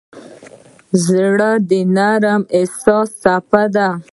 زړه د نرم احساس څپه ده.